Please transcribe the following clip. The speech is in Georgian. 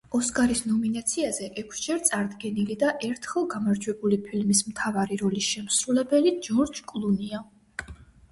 ოსკარის ნომინაციაზე, ექვსჯერ წარდგენილი და ერთხელ გამარჯვებული ფილმის მთავარი როლის შემსრულებელი ჯორჯ კლუნია.